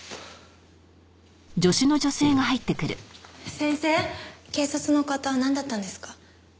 先生警察の方なんだったんですか？